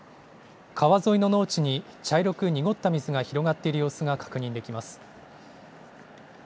川沿いの農地に茶色く濁った水が広がっている様子が確認できます。